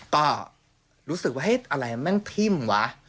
ก็รู้สึกว่าให้อะไรมันทิ่มวะ